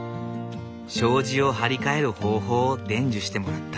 障子を張り替える方法を伝授してもらった。